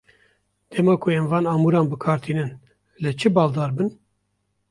Dema ku em van amûran bi kar tînin, li çi baldar bin?